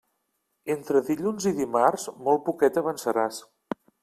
Entre dilluns i dimarts, molt poquet avançaràs.